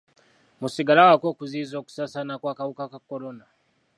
Musigale awaka okuziyiza okusaasaana kw'akawuka ka kolona.